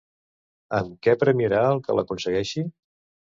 Amb què premiarà al que l'aconsegueixi?